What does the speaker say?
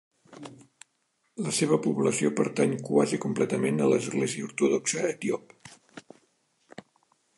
La seva població pertany quasi completament a l'Església ortodoxa etíop.